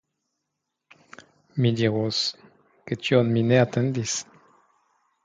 Mi dirus, ke tion mi ne atendis.